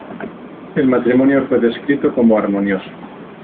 El matrimonio fue descrito como armonioso.